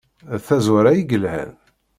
D tazwara i yelhan!